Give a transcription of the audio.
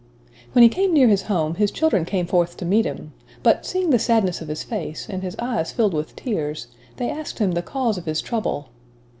When he came near his home, his children came forth to meet him; but, seeing the sadness of his face, and his eyes filled with tears, they asked him the cause of his trouble.